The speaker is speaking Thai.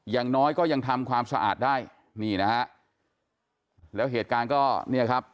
อย่างน้อยก็ยังทำความสะอาดได้นี่นะฮะแล้วเหตุการณ์ก็เนี่ยครับ